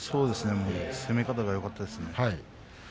攻め方がよかったですね。